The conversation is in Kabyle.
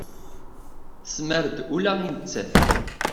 Tesmar-d ula i nettat.